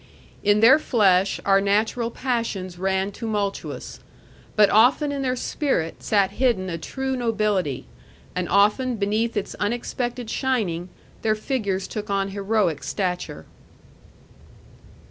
In their flesh our natural passions ran tumultuous; but often in their spirit sat hidden a true nobility, and often beneath its unexpected shining their figures took on heroic stature.